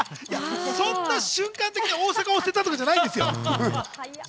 そんな習慣的に大阪を捨てたってことじゃないんですよ。